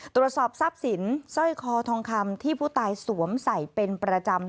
ตรวจสอบทรัพย์สินสร้อยคอทองคำที่ผู้ตายสวมใส่เป็นประจำ